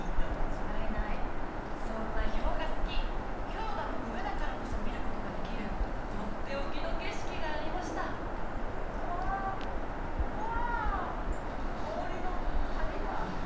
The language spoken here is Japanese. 氷河の上だからこそ見ることができるとっておきの景色がありましたうわワーオ！